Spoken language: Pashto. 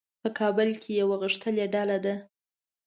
په کابل کې یوه غښتلې ډله ده.